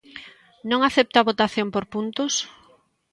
¿Non acepta a votación por puntos?